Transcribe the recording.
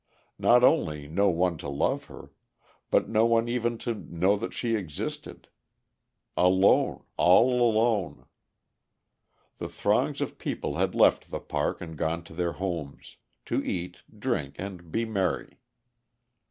Not only no one to love her, but no one even to know that she existed. Alone—all alone! The throngs of people had left the park and gone to their homes, to eat, drink, and be merry.